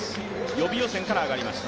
予備予選から上がりました。